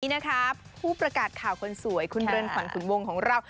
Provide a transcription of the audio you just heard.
นี่นะคะผู้ประกาศข่าวคนสวยคุณเรือนขวัญขุนวงของเรา